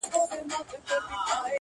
ډک گيلاسونه دي شرنگيږي، رېږدي بيا ميکده.